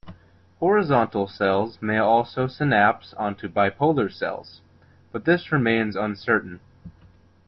Horizontal cells may also synapse onto bipolar cells, but this remains uncertain.